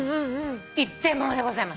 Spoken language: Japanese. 一点物でございます。